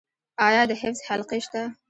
آیا د حفظ حلقې شته؟